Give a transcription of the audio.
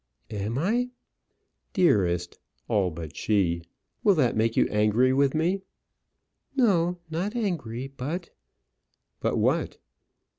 "Am I?" "Dearest all but she. Will that make you angry with me?" "No, not angry; but " "But what?"